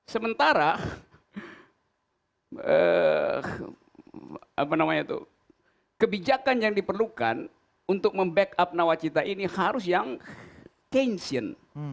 sementara kebijakan yang diperlukan untuk membackup nawacita ini harus yang cansion